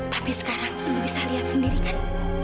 tapi sekarang kamu bisa lihat sendiri kan